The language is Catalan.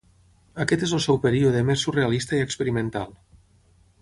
Aquest és el seu període més surrealista i experimental.